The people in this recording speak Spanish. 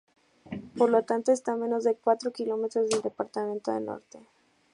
Por lo tanto, está a menos de cuatro kilómetros del departamento de Norte.